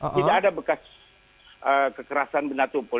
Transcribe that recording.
tidak ada bekas kekerasan benda tumpul